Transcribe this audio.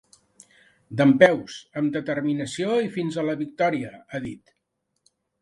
Dempeus, amb determinació i fins a la victòria, ha dit.